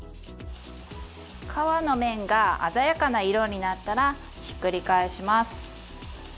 皮の面が鮮やかな色になったらひっくり返します。